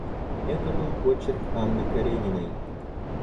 Это был почерк Анны Карениной.